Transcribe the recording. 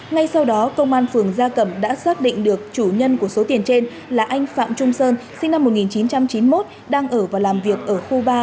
ngay sau đó công an phường gia cẩm đã xác định được chủ nhân của số tiền trên là anh phạm trung sơn sinh năm một nghìn chín trăm chín mươi một đang ở và làm việc ở khu ba